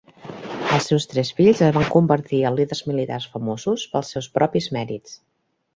Els seus tres fills es van convertir en líders militars famosos pels seus propis mèrits.